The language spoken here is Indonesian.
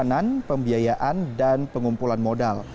perjalanan pembiayaan dan pengumpulan modal